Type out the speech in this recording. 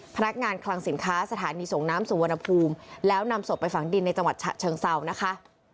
คลังสินค้าสถานีส่งน้ำสุวรรณภูมิแล้วนำศพไปฝังดินในจังหวัดฉะเชิงเศร้านะคะ